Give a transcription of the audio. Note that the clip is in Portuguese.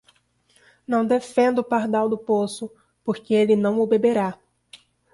Não defenda o pardal do poço, porque ele não o beberá!